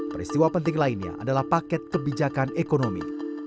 peristiwa penting lainnya adalah paket kebijakan ekonomi